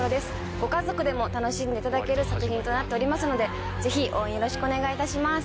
ご家族でも楽しんでいただける作品となっておりますのでぜひ応援よろしくお願いいたします。